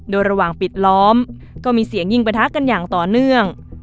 โดยระหว่างปิดล้อมก็มีเสียงยิงประทะกันอย่างต่อเนื่อง